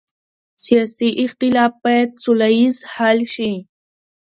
سیاسي اختلاف باید سوله ییز حل شي